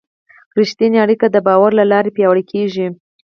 رښتونې اړیکه د باور له لارې پیاوړې کېږي.